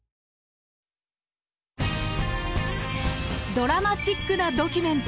ドラマチックなドキュメント。